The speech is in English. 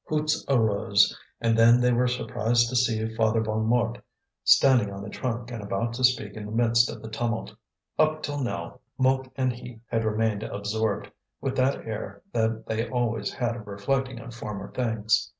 Hoots arose, and then they were surprised to see Father Bonnemort standing on the trunk and about to speak in the midst of the tumult. Up till now Mouque and he had remained absorbed, with that air that they always had of reflecting on former things.